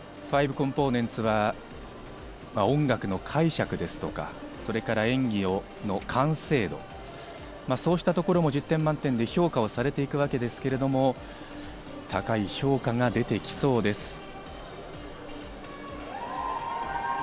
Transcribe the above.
ファイブコンポーネンツ音楽の解釈ですとか、演技の完成度、そうしたところも１０点満点で評価されていくわけですけれども、高い評価が出てきそうです。